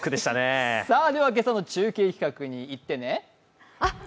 では今朝の中継企画にいってね。